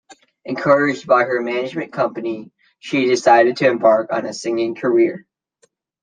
Encouraged by her management company, she decided to embark on a singing career.